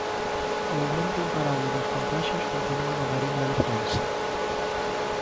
O aumento imparable dos contaxios continúa na Mariña Lucense.